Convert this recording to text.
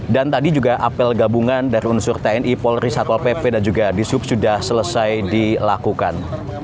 dan tadi juga apel gabungan dari unsur tni polris atau pp dan juga disub sudah selesai dilakukan